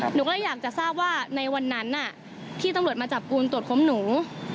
หนูก็เลยอยากจะทราบว่าในวันนั้นที่ตำรวจมาจับกลุ่มตรวจค้นหนู